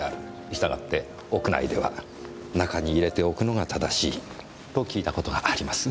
したがって屋内では中に入れておくのが正しいと聞いた事があります。